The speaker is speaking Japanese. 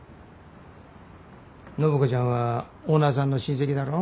暢子ちゃんはオーナーさんの親戚だろ。